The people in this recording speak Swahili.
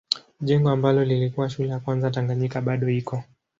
Jengo ambalo lilikuwa shule ya kwanza Tanganyika bado iko.